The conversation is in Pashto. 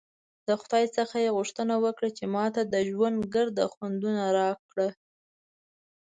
د خدای څخه ېې غوښتنه وکړه چې ماته د ژوند ګرده خوندونه راکړه!